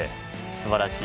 すばらしい。